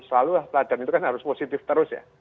selalu lah teladan itu kan harus positif terus ya